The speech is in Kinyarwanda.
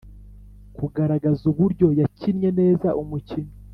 kugaragaza uburyo yakinnye neza umukino,